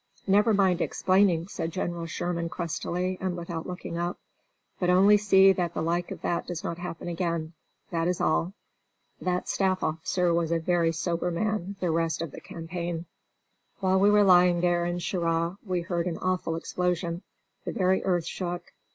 "Never mind explaining," said General Sherman crustily, and without looking up, "but only see that the like of that does not happen again; that is all." That staff officer was a very sober man the rest of the campaign. While we were lying there in Cheraw we heard an awful explosion; the very earth shook.